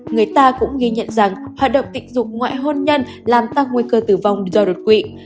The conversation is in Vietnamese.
người ta cũng ghi nhận rằng hoạt động tình dục ngoại hôn nhân làm tăng nguy cơ tử vong do đột quỵ